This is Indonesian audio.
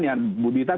yang budi tadz